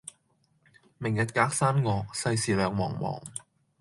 明日隔山岳，世事兩茫茫。